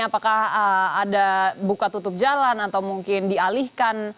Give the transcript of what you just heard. apakah ada buka tutup jalan atau mungkin dialihkan